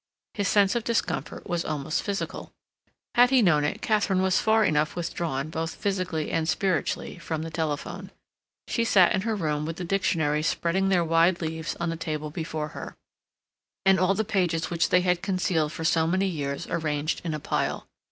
His sense of discomfort was almost physical. Had he known it, Katharine was far enough withdrawn, both physically and spiritually, from the telephone. She sat in her room with the dictionaries spreading their wide leaves on the table before her, and all the pages which they had concealed for so many years arranged in a pile.